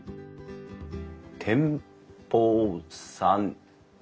「天保三」ん？